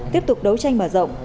tiếp tục đấu tranh mở rộng